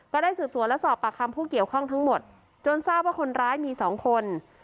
ก็ได้สืบสวนและสอบปากคำผู้เกี่ยวข้องทั้งหมดจนทราบว่าคนร้ายมีสองคน